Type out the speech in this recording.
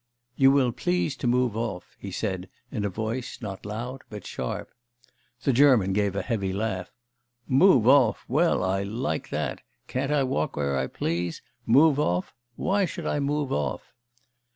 'You will please to move off,' he said in a voice not loud but sharp. The German gave a heavy laugh, 'Move off? Well, I like that. Can't I walk where I please? Move off? Why should I move off?